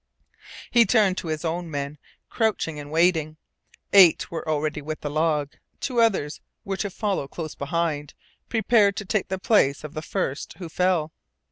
He turned to his own men, crouching and waiting. Eight were ready with the log. Two others were to follow close behind, prepared to take the place of the first who fell.